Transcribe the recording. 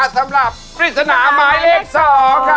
สำหรับฤทธิ์สนาม้ายเลข๒ครับ